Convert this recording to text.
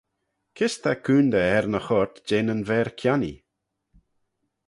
Kys ta coontey er ny choyrt jeh nyn ver-kionnee?